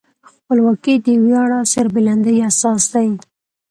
خپلواکي د ویاړ او سربلندۍ اساس دی.